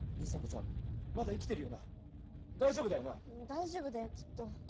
大丈夫だよきっと。